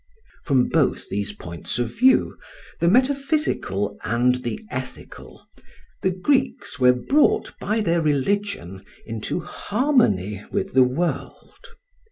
From both these points of view, the metaphysical and the ethical, the Greeks were brought by their religion into harmony with the world.